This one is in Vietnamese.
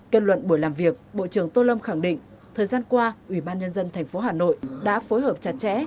kết luận buổi làm việc bộ trưởng tô lâm khẳng định thời gian qua ủy ban nhân dân tp hà nội đã phối hợp chặt chẽ